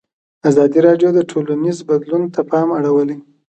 ازادي راډیو د ټولنیز بدلون ته پام اړولی.